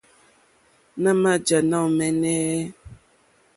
Nà mà jǎ náòmɛ́nɛ́.